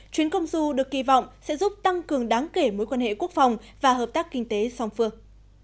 chuyến công du được kỳ vọng sẽ giúp tăng cường đáng kể mối quan hệ quốc phòng và hợp tác kinh tế song phương